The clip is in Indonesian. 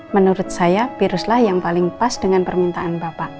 menurut saya viruslah yang paling pas dengan permintaan bapak